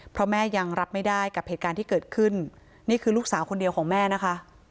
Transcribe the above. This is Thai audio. เพราะแม่ยังรับไม่ได้กับเหตุการณ์ที่เกิดขึ้นนี่คือลูกสาวคนเดียวของแม่นะคะ